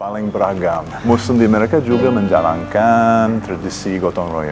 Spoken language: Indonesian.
paling beragam muslim di mereka juga menjalankan tradisi gotong royong